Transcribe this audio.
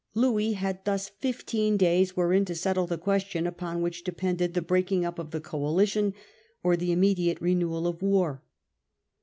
Louis had thus fifteen days wherein to settle the question upon which depended the breaking up of the coalition or the immediate renewal of war.